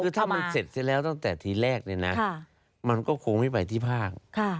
คือถ้ามันเสร็จเสียแล้วตั้งแต่ทีแรกเนี่ยนะมันก็คงไม่ไปที่ภาค